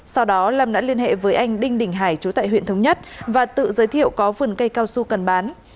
sau đó lâm đã liên hệ với anh đinh đình hải chú tại huyện thống nhất và tự giới thiệu có vườn cây cao su cần bán